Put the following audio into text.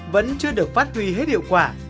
vẫn chưa được phát huy hết hiệu quả